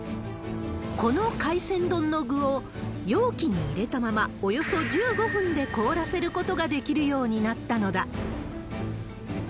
この海鮮丼の具を、容器に入れたまま、およそ１５分で凍らせることができるようになったのだ。